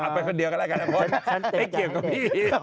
ไปคนเดียวกันแล้วก็ได้นักประโยชน์อย่าเกลียกกับพี่